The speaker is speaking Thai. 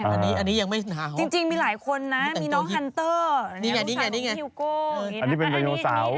แล้วอันนี้ยังไม่ขายไหลจริงมีหลายคนนะมีน้องฮันเตอร์